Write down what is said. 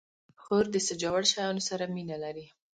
خور د سجاوړ شیانو سره مینه لري.